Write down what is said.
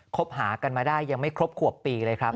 คบหากันมาได้ยังไม่ครบขวบปีเลยครับ